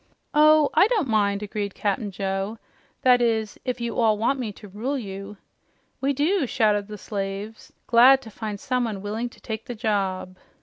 "Oh, I don't mind," agreed Cap'n Joe. "That is, if you all want me to rule you." "We do!" shouted the slaves, glad to find someone willing to take the job.